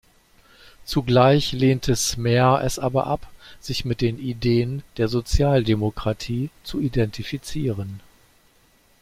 Zugleich lehnte Smer es aber ab, sich mit den Ideen der Sozialdemokratie zu identifizieren.